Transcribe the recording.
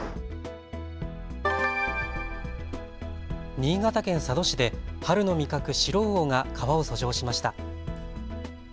新潟県佐渡市で春の味覚、シロウオが川を遡上しました。